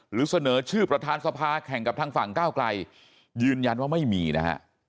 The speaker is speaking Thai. หรือเสนอชื่อประธานสภาแข่งกับทางฝั่งก้าวไกลยืนยันว่าไม่มีนะฮะ